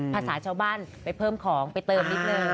ภาษาชาวบ้านไปเพิ่มของไปเติมนิดนึง